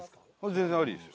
全然ありですよ。